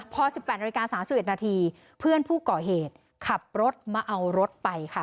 พอ๑๘นาฬิกา๓๑นาทีเพื่อนผู้ก่อเหตุขับรถมาเอารถไปค่ะ